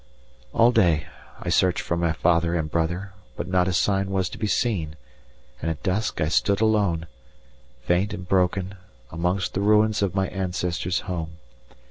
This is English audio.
All day I searched for my father and brother, but not a sign was to be seen, and at dusk I stood alone, faint and broken, amongst the ruins of my ancestors' home.